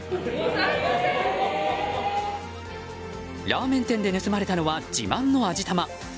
ラーメン店で盗まれたのは自慢の味玉。